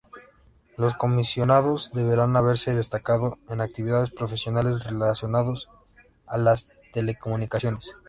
Los comisionados deberán haberse destacado en actividades profesionales relacionados a las telecomunicaciones.